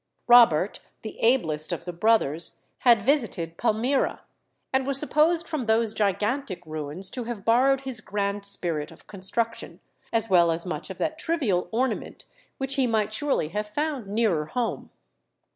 Robert, the ablest of the brothers, had visited Palmyra, and was supposed from those gigantic ruins to have borrowed his grand spirit of construction, as well as much of that trivial ornament which he might surely have found nearer home.